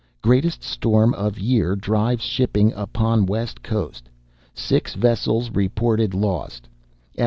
"Greatest storm of year drives shipping upon west coast. Six vessels reported lost.